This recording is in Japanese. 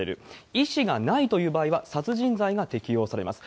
意思がないという場合は、殺人罪が適用されます。